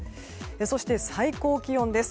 そして最高気温です。